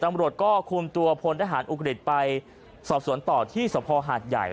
ตำรวจก็คุมตัวพลทหารอุกฤษไปสอบสวนต่อที่สภหาดใหญ่